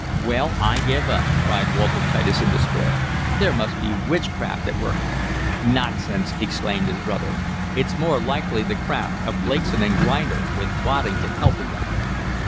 "Well, I give up!" cried Walter Titus in despair. "There must be witchcraft at work here!" "Nonsense!" exclaimed his brother. "It's more likely the craft of Blakeson & Grinder, with Waddington helping them."